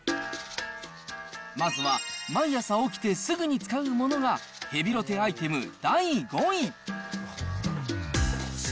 まずは毎朝起きてすぐに使うものが、ヘビロテアイテム第５位。